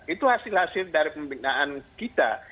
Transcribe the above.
itu hasil hasil dari pembinaan kita